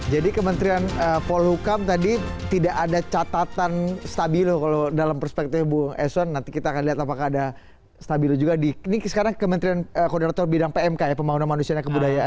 jadi kementerian polhukam tadi tidak ada catatan stabilo kalau dalam perspektif bu eson nanti kita akan lihat apakah ada stabilo juga di ini sekarang kementerian koordinator bidang pmk ya pembangunan manusia kebudayaan